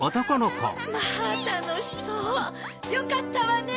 まぁたのしそうよかったわね。